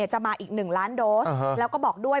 จะมาอีก๑ล้านโดสแล้วก็บอกด้วย